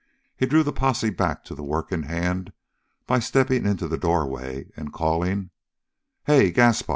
He drew the posse back to the work in hand by stepping into the doorway and calling: "Hey, Gaspar!"